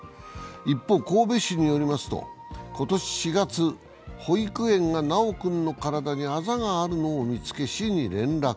一方、神戸市によりますと今年４月、保育園が修君の体にあざがあるのを見つけ、市に連絡。